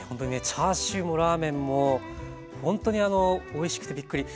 チャーシューもラーメンもほんとにおいしくてびっくり。